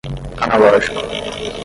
analógico